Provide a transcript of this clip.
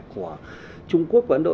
của trung quốc và ấn độ